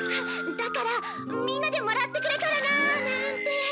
だからみんなでもらってくれたらななんて。